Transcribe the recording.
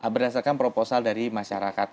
berdasarkan proposal dari masyarakat